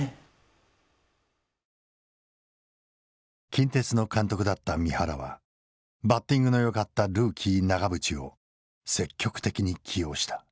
近鉄の監督だった三原はバッティングのよかったルーキー永淵を積極的に起用した。